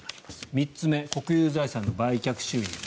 ３つ目、国有財産の売却収入。